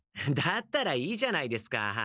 だったらいいじゃないですか。